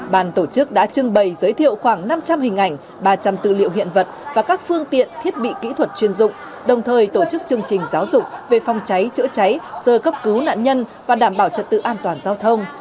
bàn tổ chức đã trưng bày giới thiệu khoảng năm trăm linh hình ảnh ba trăm linh tư liệu hiện vật và các phương tiện thiết bị kỹ thuật chuyên dụng đồng thời tổ chức chương trình giáo dục về phòng cháy chữa cháy sơ cấp cứu nạn nhân và đảm bảo trật tự an toàn giao thông